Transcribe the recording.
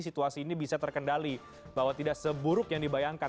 situasi ini bisa terkendali bahwa tidak seburuk yang dibayangkan